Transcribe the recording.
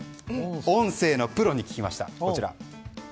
音声のプロに聞きました。